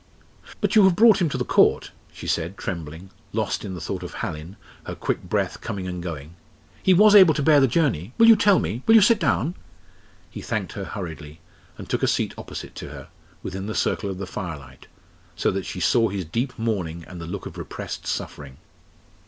"But you have brought him to the Court?" she said trembling, lost in the thought of Hallin, her quick breath coming and going. "He was able to bear the journey? Will you tell me? will you sit down?" He thanked her hurriedly, and took a seat opposite to her, within the circle of the firelight, so that she saw his deep mourning and the look of repressed suffering.